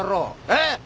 えっ。